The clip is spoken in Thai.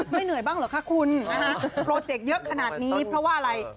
ไม่เหนื่อยบ้างเหรอคะคุณนะฮะโปรเจกต์เยอะขนาดนี้เพราะว่าอะไร